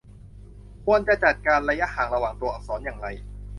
ควรจะจัดการระยะห่างระหว่างตัวอักษรอย่างไร